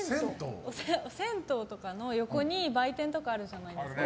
銭湯の横に売店とかあるじゃないですか。